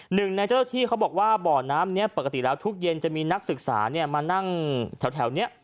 หนึ่งในเจ้าที่เขาบอกว่าบ่อน้ำนี้ปกติแล้วทุกเย็นจะมีนักศึกษามานั่งแถวนี้